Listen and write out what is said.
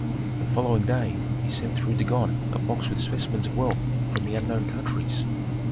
The following day he sent through Dagon a box with specimens of wealth from the unknown countries.